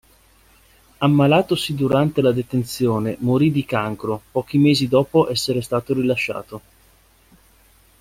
Ammalatosi durante la detenzione, morì di cancro pochi mesi dopo essere stato rilasciato.